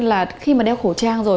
là khi mà đeo khẩu trang rồi